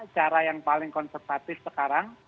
cara yang paling konservatif sekarang